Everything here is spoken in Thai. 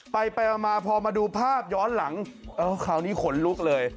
ไปไปมาพอมาดูภาพย้อนหลังคราวนี้ขนลุกเลย